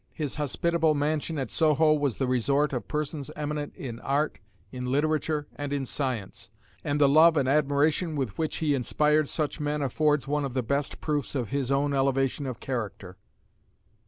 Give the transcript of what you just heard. His hospitable mansion at Soho was the resort of persons eminent in art, in literature, and in science; and the love and admiration with which he inspired such men affords one of the best proofs of his own elevation of character.